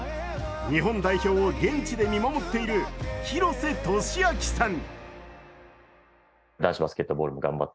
日本代表を現地で見守っている廣瀬俊朗さん。